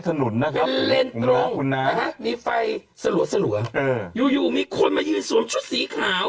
ถนนมันเลนตรงมีไฟสะหรัวอยู่มีคนมายืนสวมชุดสีขาว